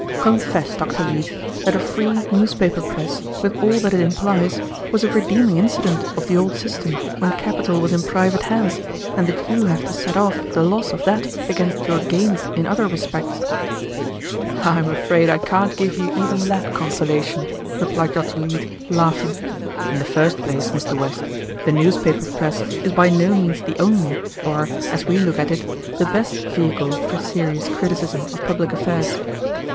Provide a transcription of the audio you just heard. Confess, Dr. Leete, that a free newspaper press, with all that it implies, was a redeeming incident of the old system when capital was in private hands, and that you have to set off the loss of that against your gains in other respects." "I am afraid I can't give you even that consolation," replied Dr. Leete, laughing. "In the first place, Mr. West, the newspaper press is by no means the only or, as we look at it, the best vehicle for serious criticism of public affairs.